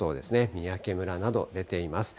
三宅村など出ています。